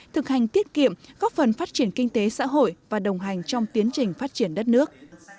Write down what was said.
thực hành tiết kiệm góp phần phát triển kinh tế xã hội và đồng hành trong tiến trình phát triển đất nước